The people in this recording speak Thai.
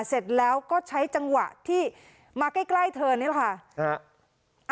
เสร็จแล้วก็ใช้จังหวะที่มาใกล้เธอนี่แหละค่ะ